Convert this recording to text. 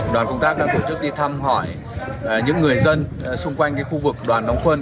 đoàn công tác đã tổ chức đi thăm hỏi những người dân xung quanh khu vực đoàn đóng quân